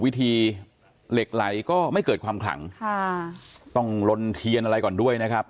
วิธีเหล็กไหลก็ไม่เกิดความขลังค่ะต้องลนเทียนอะไรก่อนด้วยนะครับ